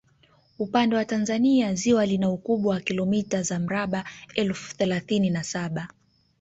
Upande wa Tanzania ziwa lina ukubwa wa kilomita za mraba elfu thelathini na saba